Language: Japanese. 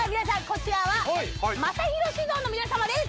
こちらはまさひろ酒造の皆様です